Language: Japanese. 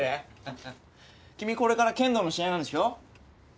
ハハッ君これから剣道の試合なんでしょ？